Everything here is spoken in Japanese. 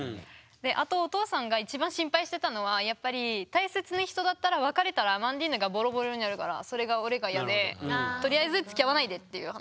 であとお父さんが一番心配してたのはやっぱり大切な人だったら別れたらアマンディーヌがボロボロになるからそれが俺が嫌でとりあえずつきあわないでっていう話。